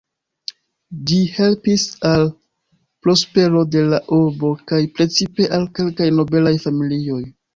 Ĝi helpis al prospero de la urbo kaj precipe al kelkaj nobelaj familioj.